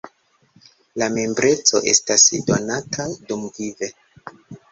La membreco estas donata dumvive.